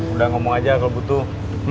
udah ngomong aja kalau butuh